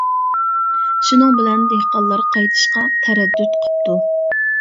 شۇنىڭ بىلەن، دېھقانلار قايتىشقا تەرەددۇت قىپتۇ.